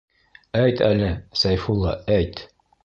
Әйт әле, Сәйфулла, әйт!